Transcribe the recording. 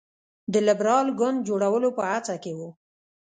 د لېبرال ګوند جوړولو په هڅه کې وو.